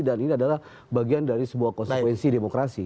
dan ini adalah bagian dari sebuah konsekuensi demokrasi